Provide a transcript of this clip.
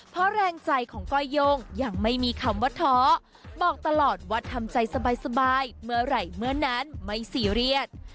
เพราะแรงใจของก้อยโย่งยังไม่มีคำว่าท้อบอกตลอดว่าทำใจสบายเมื่อไหร่เมื่อนั้นไม่ซีเรียส